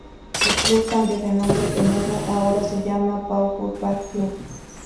El club cambió de nombre de nuevo, ahora se llama Pau Football Club.